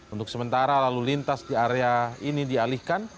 untuk sementara lalu lintas di area ini dialihkan